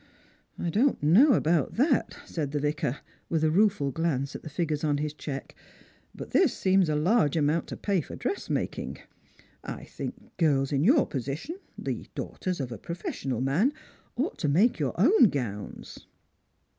" I don't know about that," said the Vicar, with a rueful glance at the figures on his cheque; "but this seems a large amount to pay for dressmaking. 1 think girls in your position — the daughters of a professional man — ought to make your own gowns."